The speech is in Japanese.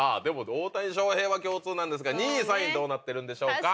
大谷翔平は共通なんですが２位３位どうなってるんでしょうか。